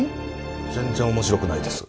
全然面白くないです。